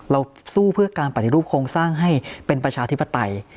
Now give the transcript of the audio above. สู้เพื่อการปฏิรูปโครงสร้างให้เป็นประชาธิปไตย